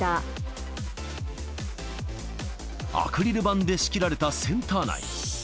アクリル板で仕切られたセンター内。